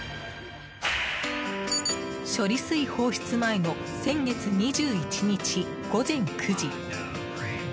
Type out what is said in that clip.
処理水放出前の先月２１日午前９時。